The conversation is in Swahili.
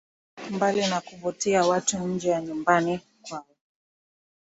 Mbali na kuvutia watu nje ya nyumbani kwao